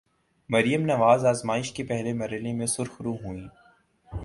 مریم نواز آزمائش کے پہلے مرحلے میں سرخرو ہوئیں۔